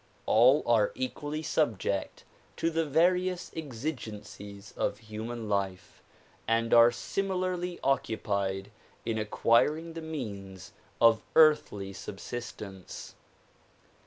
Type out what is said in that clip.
All are equally subject to the various exigencies of human life and are similarly occupied in acquiring the means of earthly subsistence.